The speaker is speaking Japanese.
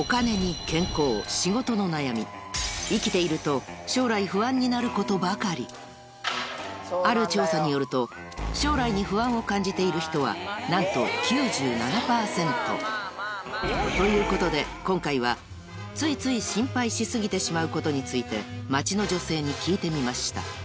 の悩み生きているとある調査によると将来に不安を感じている人はなんと９７％ということで今回はついつい心配しすぎてしまうことについて街の女性に聞いてみました